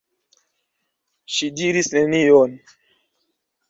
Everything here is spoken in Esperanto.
Ŝi diris nenion.